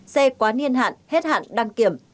xe quá niên hạn hết hạn đăng kiểm